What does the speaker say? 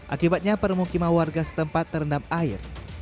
akibatnya permukiman warga setempat terendam air